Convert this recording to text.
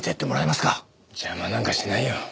邪魔なんかしないよ。